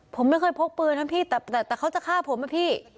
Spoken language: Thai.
ผมไม่เคยพกพื้นครับพี่แต่แต่แต่เขาจะฆ่าผมไหมพี่